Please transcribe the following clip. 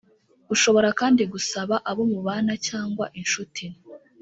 ushobora kandi gusaba abo mubana cyangwa incuti.